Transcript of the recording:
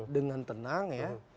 dengan tenang ya